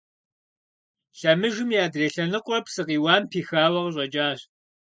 Лъэмыжым и адрей лъэныкъуэр псы къиуам пихауэ къыщӀэкӀащ.